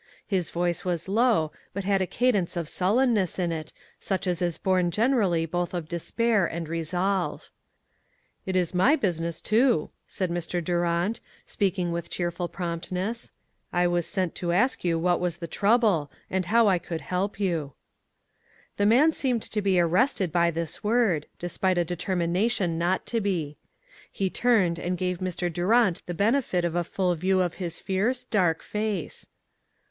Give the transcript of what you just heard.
His voice was low, but had a cadence of sullenness in it, such as is born generally both of despair and resolve. *' It is my business, too," said Mr. Du rant, speaking with cheerful promptness. " I 358 ONE COMMONPLACE DAY. was sent to ask you what was the trouble, and how I could help you." The man seemed to be arrested by this word, despite a determination not to be. He turned and gave Mr. Durant the benefit of a full view of his fierce, dark face.